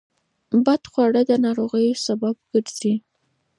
بدخواړه د ناروغیو سبب ګرځي.